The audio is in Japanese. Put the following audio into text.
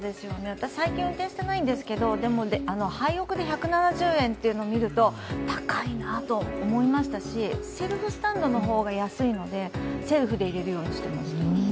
私、最近、運転していないんですけれども、ハイオクで１７０円というのを見ると高いなと思いましたしセルフスタンドの方が安いので、セルフで入れるようにしています。